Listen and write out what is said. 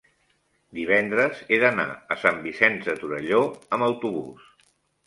divendres he d'anar a Sant Vicenç de Torelló amb autobús.